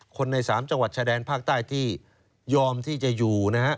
ใน๓จังหวัดชายแดนภาคใต้ที่ยอมที่จะอยู่นะฮะ